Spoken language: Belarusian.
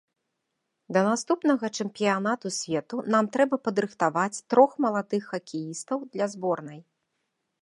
Да наступнага чэмпіянату свету нам трэба падрыхтаваць трох маладых хакеістаў для зборнай.